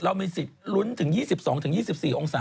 เรามีสิทธิ์ลุ้นที่๒๒๒๔องศานะครับ